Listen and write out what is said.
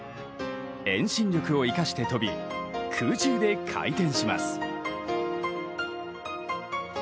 遠心力を生かして跳び空中で回転します。